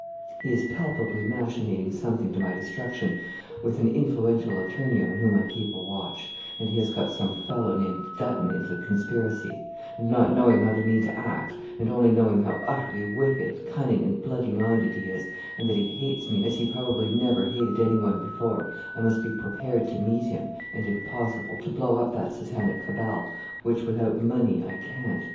'He is palpably machinating something to my destruction with an influential attorney on whom I keep a watch, and he has got some fellow named Dutton into the conspiracy; and not knowing how they mean to act, and only knowing how utterly wicked, cunning, and bloody minded he is, and that he hates me as he probably never hated anyone before, I must be prepared to meet him, and, if possible, to blow up that Satanic cabal, which without money I can't.